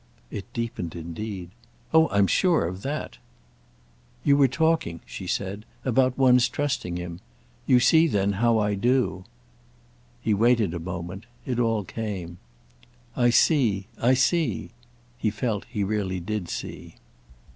It deepened indeed. "Oh I'm sure of that!" "You were talking," she said, "about one's trusting him. You see then how I do." He waited a moment—it all came. "I see—I see." He felt he really did see.